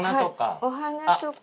お花とか。